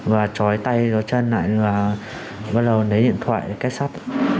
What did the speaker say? và chói tay trói chân lại và bắt đầu lấy điện thoại kết sắt